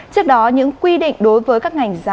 trước đó những quy định đối với các ngành